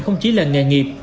không chỉ là nghề nghiệp